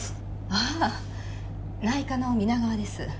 ああ内科の皆川です。